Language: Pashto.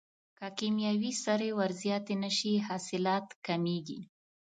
که کیمیاوي سرې ور زیاتې نشي حاصلات کمیږي.